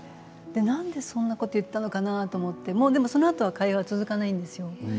なんでそんなこと言ったのかなと思ってでも、そのあと会話が続かないんですよ。